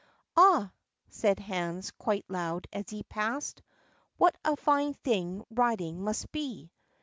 "Ah!" said Hans quite loud as he passed, "what a fine thing riding must be.